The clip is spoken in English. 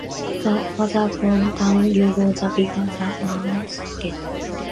The further from town you go the bigger the lawns get.